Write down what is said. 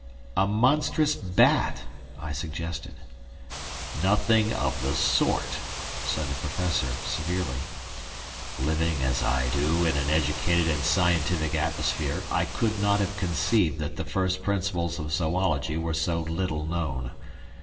"A monstrous bat!" I suggested. "Nothing of the sort," said the Professor, severely. "Living, as I do, in an educated and scientific atmosphere, I could not have conceived that the first principles of zoology were so little known.